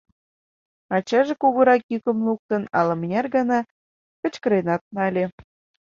Ачаже, кугурак йӱкым луктын, ала-мыняр гана кычкыренат нале.